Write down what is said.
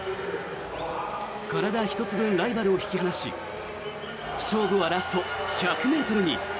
体１つ分ライバルを引き離し勝負はラスト１００ｍに。